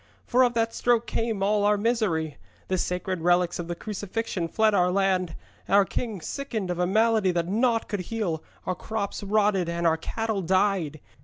For of that stroke came all our misery. The sacred relics of the Crucifixion fled our land, our king sickened of a malady that naught could heal, our crops rotted, and our cattle died.